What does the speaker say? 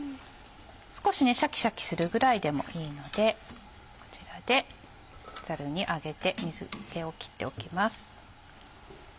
少しシャキシャキするぐらいでもいいのでこちらでざるにあげて水気を切っておきます。